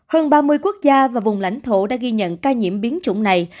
hơn ba mươi quốc gia và vùng lãnh thổ đã ghi nhận ca nhiễm biến chủng này